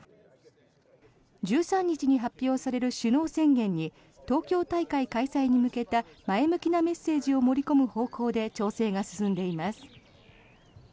１３日に発表される首脳宣言に東京大会開催に向けた前向きなメッセージを盛り込む方向で調整が進んでいます。